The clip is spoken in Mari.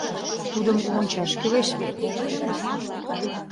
Тудым ончаш кӱлеш вет...